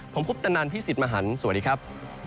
ผมคุปตนันพี่สิทธิ์มหันฯสวัสดีครับ